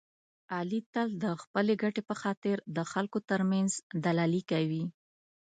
علي تل د خپلې ګټې په خاطر د خلکو ترمنځ دلالي کوي.